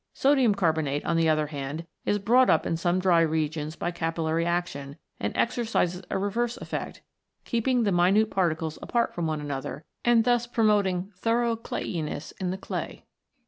Sodium carbonate, on the other hand, is brought up in some dry regions by capillary action, and exercises a reverse effect, keep ing the minute particles apart from one another, and thus promoting thorough clayiness in the clay.